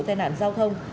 tên nạn giao thông